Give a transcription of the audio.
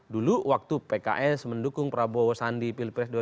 dulu waktu pks mendukung prabowo sandi pilpres dua ribu sembilan belas